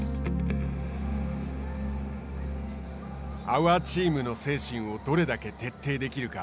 アワーチームの精神をどれだけ徹底できるか。